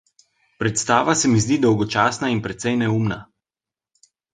Predstava se mi zdi dolgočasna in precej neumna.